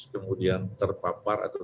kemudian terpapar atau